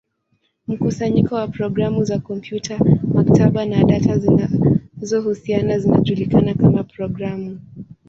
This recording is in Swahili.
Mkusanyo wa programu za kompyuta, maktaba, na data zinazohusiana zinajulikana kama programu.